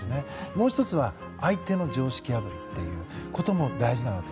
もう１つは相手の常識破りっていうことも大事だなと。